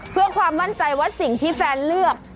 เพื่อความมั่นใจว่าสิ่งที่แฟนเลือก